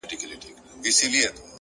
خپل مسیر د پوهې او عمل په رڼا جوړ کړئ،